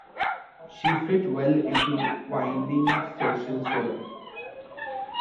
She fit well into Vining's social swirl.